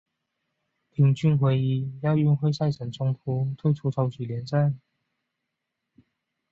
丁俊晖因亚运会赛程冲突退出超级联赛。